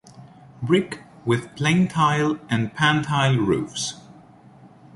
Brick with plain tile and pantile roofs.